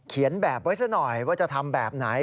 แบบไว้ซะหน่อยว่าจะทำแบบไหน